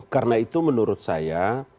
karena itu menurut saya